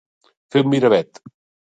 Fer un Miravet.